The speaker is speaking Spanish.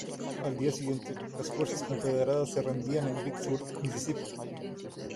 Al día siguiente las fuerzas Confederadas se rendían en Vicksburg, Misisipi.